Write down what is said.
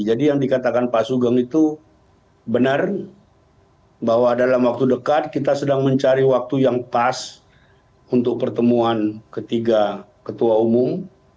jadi yang dikatakan pak sugeng itu benar bahwa dalam waktu dekat kita sedang mencari waktu yang pas untuk pertemuan ketiga ketua umum